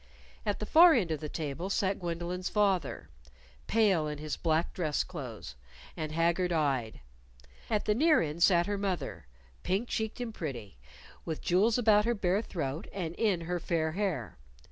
At the far end of the table sat Gwendolyn's father, pale in his black dress clothes, and haggard eyed; at the near end sat her mother, pink cheeked and pretty, with jewels about her bare throat and in her fair hair.